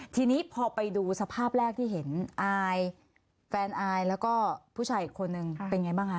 ทีนี้พอไปดูสภาพแรกที่เห็นอายแฟนอายแล้วก็ผู้ชายอีกคนนึงเป็นไงบ้างคะ